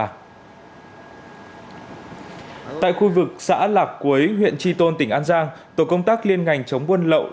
tại khu vực xã lạc quế huyện tri tôn tỉnh an giang tổ công tác liên ngành chống buôn lậu